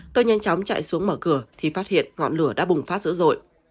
tôi nhanh chóng chạy xuống mở cửa thì phát hiện ngọn lửa đã bùng phát dữ dội